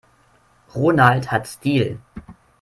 Ronald hat Stil.